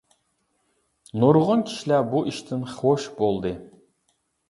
نۇرغۇن كىشىلەر بۇ ئىشتىن خۇش بولدى.